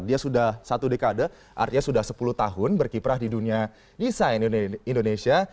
dia sudah satu dekade artinya sudah sepuluh tahun berkiprah di dunia desain indonesia